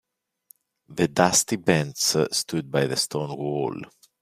The dusty bench stood by the stone wall.